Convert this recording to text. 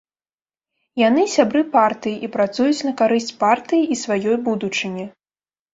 Яны сябры партыі і працуюць на карысць партыі і сваёй будучыні.